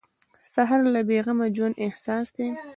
سهار د بې غمه ژوند احساس دی.